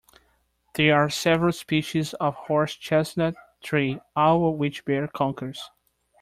There are several species of horse chestnut tree, all of which bear conkers